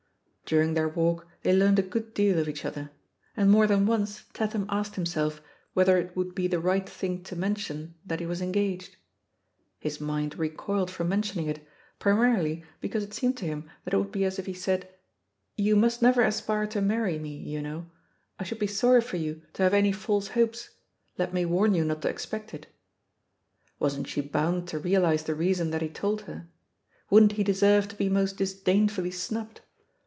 During their walk they learnt a good deal of each other; and more than once Tatham asked himself whether it would be the right thing to mention that he was engaged. His mind re coiled from mentioning it, primarily because it seemed to him that it would be as if he said, ''You must never aspire to marry me, you know; I should be sorry for you to have any false hopes — ^let me warn you not to expect it I" Wasn't she bound to realise the reason that he told her? wouldn't he deserve to be most disdainfully snubbed?